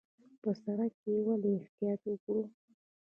په سړک کې ولې احتیاط وکړو؟